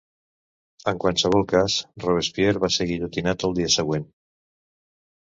En qualsevol cas, Robespierre va ser guillotinat al dia següent.